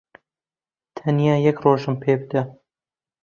تەنیا یەک ڕۆژم پێ بدە.